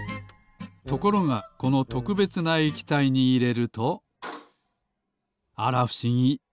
ところがこのとくべつな液体にいれるとあらふしぎ。